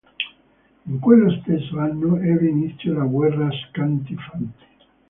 In quello stesso anno, ebbe inizio la Guerra Ashanti-Fanti.